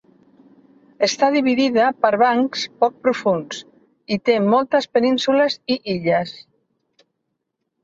Està dividida per bancs poc profunds i té moltes penínsules i illes.